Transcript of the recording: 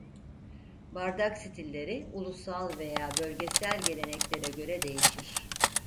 Bardak stilleri ulusal veya bölgesel geleneklere göre değişir.